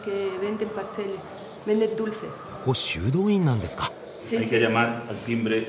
ここ修道院なんですか？